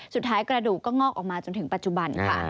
กระดูกก็งอกออกมาจนถึงปัจจุบันค่ะ